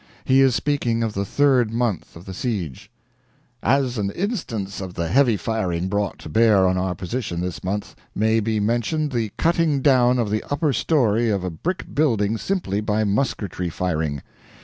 He is speaking of the third month of the siege: "As an instance of the heavy firing brought to bear on our position this month may be mentioned the cutting down of the upper story of a brick building simply by musketry firing.